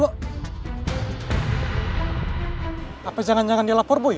langsung ke rumah ya bos